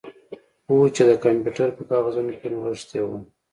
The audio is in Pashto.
هو چې د کمپیوټر په کاغذونو کې نغښتې وه